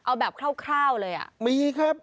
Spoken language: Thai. เอาแบบคร่าวเลยอ่ะมีครับ